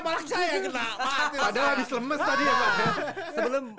padahal habis lemes tadi ya pak